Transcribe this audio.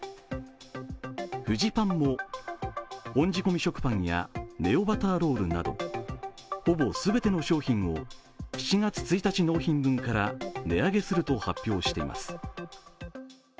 フジパンも本仕込食パンやネオバターロールなどほぼ全ての商品を７月１日納品分から値上げすると発表しています。